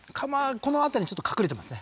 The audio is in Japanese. この辺りにちょっと隠れてますね